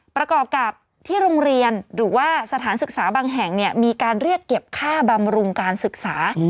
ประกอบกับที่โรงเรียนหรือว่าสถานศึกษาบางแห่งมีการเรียกเก็บค่าบำรุงการศึกษา